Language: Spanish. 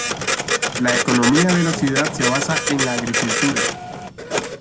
La economía de la ciudad se basa en la agricultura.